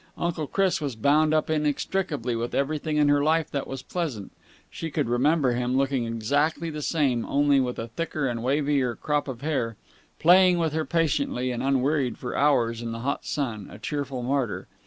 Uncle Chris was bound up inextricably with everything in her life that was pleasant. She could remember him, looking exactly the same, only with a thicker and wavier crop of hair, playing with her patiently and unwearied for hours in the hot sun, a cheerful martyr.